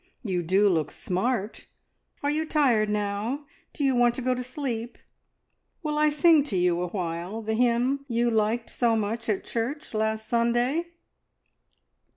You do look smart! Are you tired now? Do you want to go to sleep? Will I sing to you awhile, the hymn you liked so much at church last Sunday?"